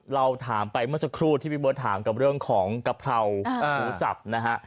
เราถามไปเมื่อสักครู่ที่พี่เบิร์ตถามกับเรื่องของกะเพราหมูสับนะฮะ